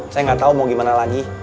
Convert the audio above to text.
saya ga tau mau gimana lagi